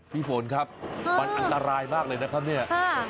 พี่ฝนครับมันอันตรายมากเลยนะครับเนี่ย